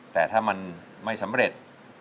แต่ถ้ามันไม่สำเร็จ